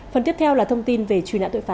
phần tiếp theo là thông tin về truy nã tội phạm